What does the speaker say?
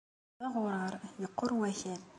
D aɣurar, iqqur wakal.